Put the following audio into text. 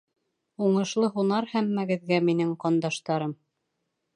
— Уңышлы һунар һәммәгеҙгә, минең ҡандаштарым.